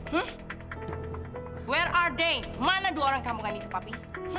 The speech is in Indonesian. mana ardain mana dua orang kamu kali itu papi